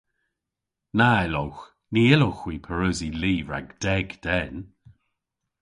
Na yllowgh. Ny yllowgh hwi pareusi li rag deg den.